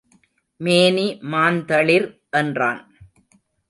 மேனி மாந்தளிர் என்றான்.